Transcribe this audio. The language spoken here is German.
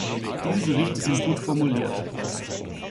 Diese Berichte sind gut formuliert.